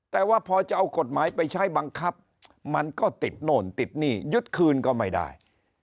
แต่ว่าพอจะเอากฎหมายไปใช้บังคับมันก็ติดโน่นติดหนี้ยึดคืนก็ไม่ได้